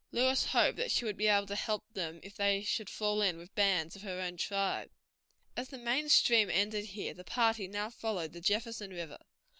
Lewis hoped that she would be able to help them if they should fall in with bands of her own tribe. As the main stream ended here, the party now followed the Jefferson River.